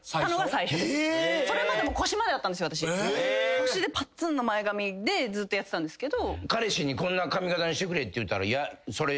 腰でぱっつんの前髪でずっとやってたんですけど。